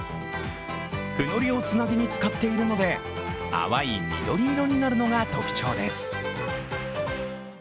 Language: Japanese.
ふのりをつなぎに使っているので、淡い緑色になるのが特徴です。